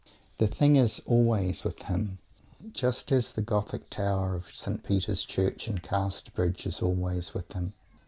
The thing is always with him, just as the Gothic Tower of St. Peter's Church in Casterbridge is always with him.